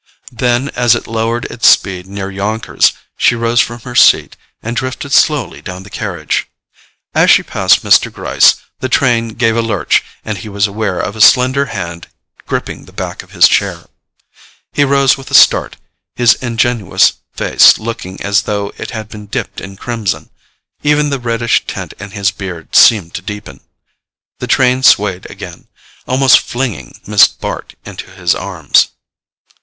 Then, as it lowered its speed near Yonkers, she rose from her seat and drifted slowly down the carriage. As she passed Mr. Gryce, the train gave a lurch, and he was aware of a slender hand gripping the back of his chair. He rose with a start, his ingenuous face looking as though it had been dipped in crimson: even the reddish tint in his beard seemed to deepen. The train swayed again, almost flinging Miss Bart into his arms.